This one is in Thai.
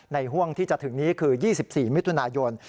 ห่วงที่จะถึงนี้คือ๒๔มิถุนายน